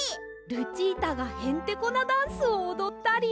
ルチータがへんてこなダンスをおどったり！